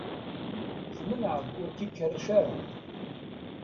Tmenεeḍ ur k-ikerrec ara.